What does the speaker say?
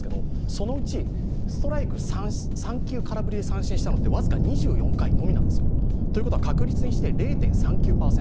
そのうちストライク、３球空振りで三振したのはわずか２４回のみなんですよ、確率にして０．３９％